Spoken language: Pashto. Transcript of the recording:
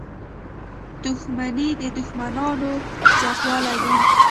• دښمني د دوښمنانو زیاتوالی دی.